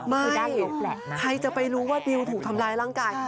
ไม่ใครจะไปรู้ว่าดิวถูกทำร้ายร่างกาย